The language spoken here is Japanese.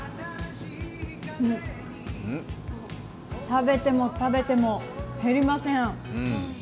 食べても食べても、減りません。